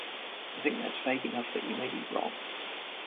I think that’s vague enough that you may be wrong